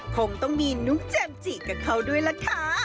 คงต้องมีนุ๊กเจมส์จิกับเขาด้วยล่ะค่ะ